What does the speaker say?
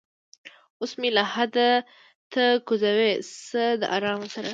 اوس مې لحد ته کوزوي څه د ارامه سره